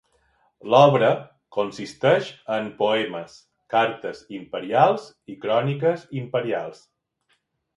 L'obra consisteix en poemes, cartes imperials i cròniques imperials.